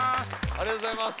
ありがとうございます！